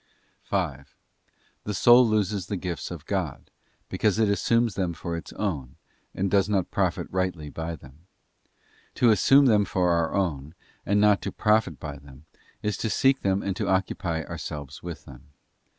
5. The soul loses the gifts of God, because it assumes them for its own, and does not profit rightly by them. To assume them for our own and not to profit by them, is to seek them and to occupy ourselves with them.